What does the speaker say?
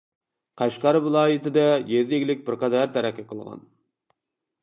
قەشقەر ۋىلايىتىدە يېزا ئىگىلىك بىر قەدەر تەرەققىي قىلغان.